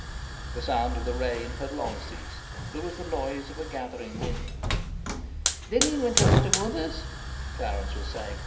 The sound of the rain had long ceased. There was the noise of a gathering wind. "Then in went a lot of others," Clarence was saying.